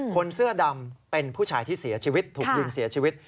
คนเสื้อดำเป็นผู้ชายที่เสียชีวิตถูกยิงเสียชีวิต